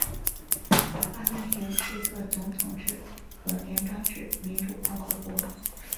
阿根廷是一个总统制和联邦制民主共和国。